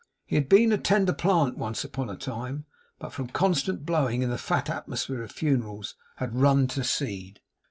He had been a tender plant once upon a time, but from constant blowing in the fat atmosphere of funerals, had run to seed.